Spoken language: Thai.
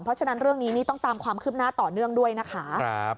เพราะฉะนั้นเรื่องนี้นี่ต้องตามความคืบหน้าต่อเนื่องด้วยนะคะ